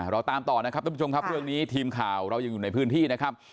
เราตามต่อนะครับทุกผู้ชมครับเรื่องนี้ทีมข่าวเรายังอยู่ในพื้นที่นะครับ